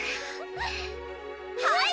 はい！